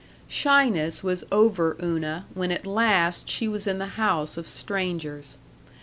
§ 4 Shyness was over Una when at last she was in the house of strangers.